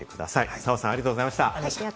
澤さん、ありがとうございました。